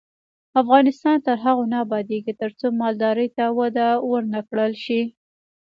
افغانستان تر هغو نه ابادیږي، ترڅو مالدارۍ ته وده ورنکړل شي.